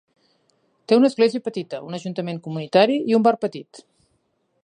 Té una església petita, un ajuntament comunitari i un bar petit.